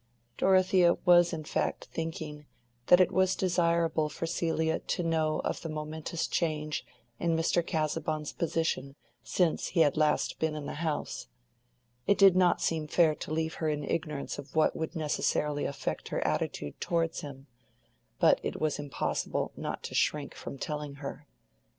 Dorothea was in fact thinking that it was desirable for Celia to know of the momentous change in Mr. Casaubon's position since he had last been in the house: it did not seem fair to leave her in ignorance of what would necessarily affect her attitude towards him; but it was impossible not to shrink from telling her.